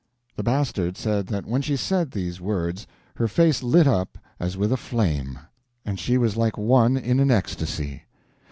The Bastard said that when she said these words her face lit up as with a flame, and she was like one in an ecstasy.